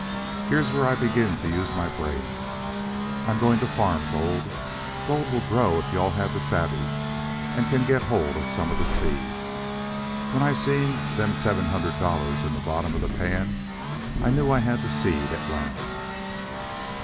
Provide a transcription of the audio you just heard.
Here's where I begin to use my brains. I'm going to farm gold. Gold will grow gold if you all have the savvee and can get hold of some for seed. When I seen them seven hundred dollars in the bottom of the pan, I knew I had the seed at last."